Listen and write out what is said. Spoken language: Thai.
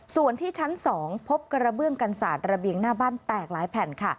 ส่วนที่ชั้น๒พบกระเบื้องกันศาสตร์ระเบียงหน้าบ้านแตกหลายแผ่น